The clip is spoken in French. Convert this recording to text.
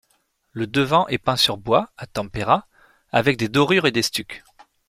Le devant est peint sur bois, à tempera, avec des dorures et des stucs.